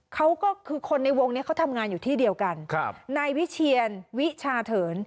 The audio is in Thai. เขาก็คือคนในวงนี้เขาทำงานอยู่ที่เดียวกันครับนายวิเชียนวิชาเถิน